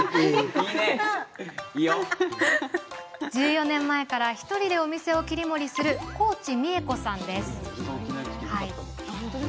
１４年前から１人でお店を切り盛りする幸地美恵子さんです。